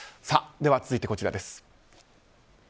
では、続いてこちらです。